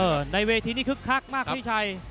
หรือว่าผู้สุดท้ายมีสิงคลอยวิทยาหมูสะพานใหม่